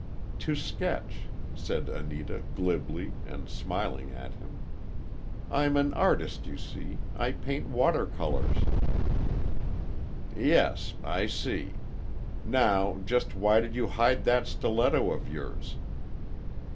"To sketch," said Anita glibly, and smiling at him. "I'm an artist, you see—I paint water colors." "Yes—I see. Now, just why did you hide that stiletto of yours?"